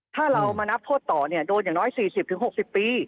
ถ้าเรามานับโทษต่อโดนอย่างน้อย๔๐๖๐ปี